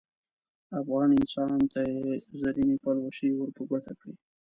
افغان انسان ته یې زرینې پلوشې ور په ګوته کړې.